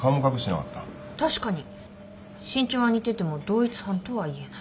身長は似てても同一犯とは言えない。